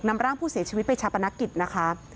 นำร่างผู้เสียชีวิตไปชาปนกิจนะคะ